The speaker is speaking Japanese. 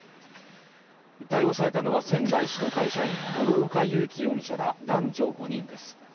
逮捕されたのは仙台市の会社員諸岡佑樹容疑者ら男女５人です。